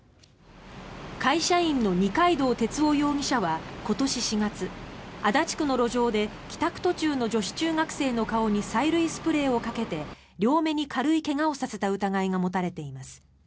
会社員の二階堂哲夫容疑者は今年４月足立区の路上で帰宅途中の女子中学生の顔に催涙スプレーをかけて両目に軽い怪我をさせた疑いが持たれています。